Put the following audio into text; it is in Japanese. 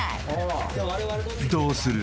どうする？